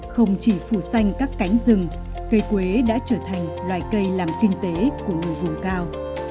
không chỉ phủ xanh các cánh rừng cây quế đã trở thành loài cây làm kinh tế của người vùng cao